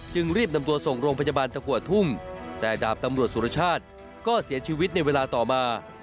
รีบนำตัวส่งโรงพยาบาลตะกัวทุ่งแต่ดาบตำรวจสุรชาติก็เสียชีวิตในเวลาต่อมา